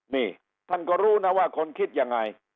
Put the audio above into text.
นี่ท่านก็รู้นะว่าคนคิดยังไง